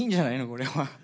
これは。